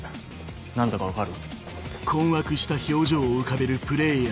何だか分かる？